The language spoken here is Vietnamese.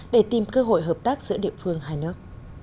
để tìm cơ hội hợp tác giữa địa phương hai nước